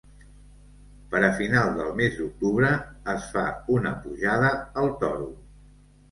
Per a final del mes d'octubre, es fa una pujada al Toro.